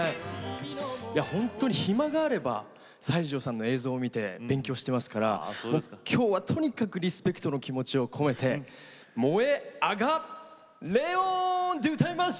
本当に暇があれば西城さんの映像を見て、勉強していますから今日はとにかくリスペクトの気持ちを込めて燃え上がレオンで歌います。